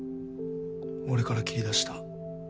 俺から切り出した。